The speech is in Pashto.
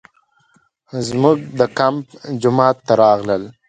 زموږ د کمپ جومات ته راغلل.